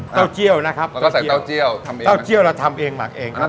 เตี้ยวนะครับก็ใส่เต้าเจี่ยวทำเองเต้าเจี่ยวเราทำเองหมักเองครับ